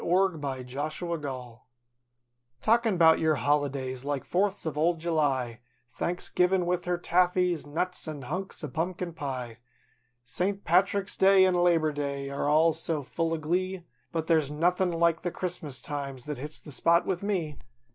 THE CHRISTMAS SPIRIT Talkin' 'bout yer holidays like Fourth's of old July; Thanksgivin' with her taffies, nuts an' hunks of pumpkin pie ; Saint Patrick's Day an' Labor Day an' all so full of glee. But there's nothin' like the Christmas times that hits the spot with me.